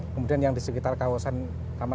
kemudian yang di sekitar kawasan taman